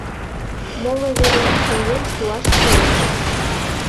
Моло вереат миен шуаш кӱлеш.